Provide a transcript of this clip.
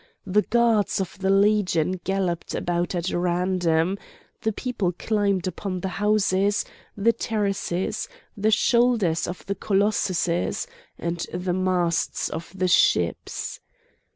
The guards of the Legion galloped about at random; the people climbed upon the houses, the terraces, the shoulders of the colossuses, and the masts of the ships.